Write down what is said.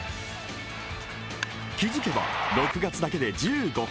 気付けば６月だけで１５本。